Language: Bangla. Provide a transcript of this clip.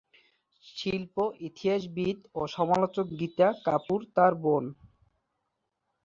শিল্প ইতিহাসবিদ ও সমালোচক গীতা কাপুর তার বোন।